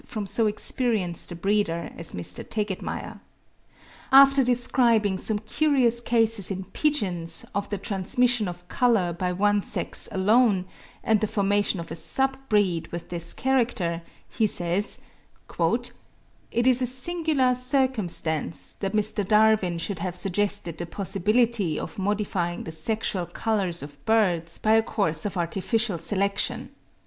1872) from so experienced a breeder as Mr. Tegetmeier. After describing some curious cases in pigeons, of the transmission of colour by one sex alone, and the formation of a sub breed with this character, he says: "It is a singular circumstance that Mr. Darwin should have suggested the possibility of modifying the sexual colours of birds by a course of artificial selection.